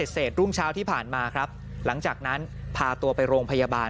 เสร็จรุ่งเช้าที่ผ่านมาครับหลังจากนั้นพาตัวไปโรงพยาบาล